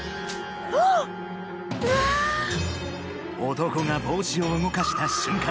男が帽子を動かした瞬間